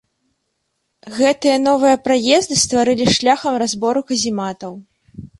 Гэтыя новыя праезды стварылі шляхам разбору казематаў.